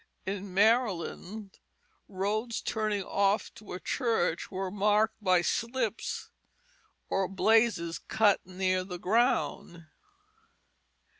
In Maryland roads turning off to a church were marked by slips or blazes cut near the ground.